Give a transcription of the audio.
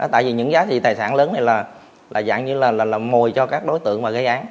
tại vì những giá trị tài sản lớn này là dạng như là mồi cho các đối tượng mà gây án